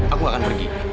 aku gak akan pergi